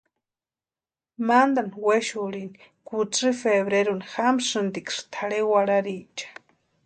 Mantani wexurhini kutsï febreruni jamsïntiksï tʼarhe warharicha.